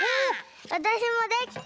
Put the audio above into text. わたしもできた！